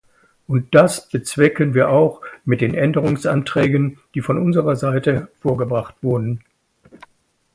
Und das bezwecken wir auch mit den Änderungsanträgen, die von unserer Seite vorgebracht wurden.